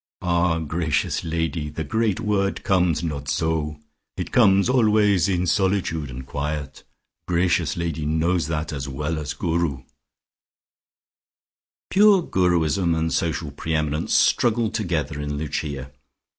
"Ah, gracious lady, the great word comes not so. It comes always in solitude and quiet. Gracious lady knows that as well as Guru." Pure Guruism and social pre eminence struggled together in Lucia.